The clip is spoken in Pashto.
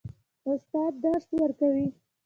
استاد درس ورکوي.